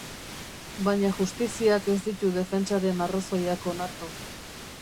Baina justiziak ez ditu defentsaren arrazoiak onartu.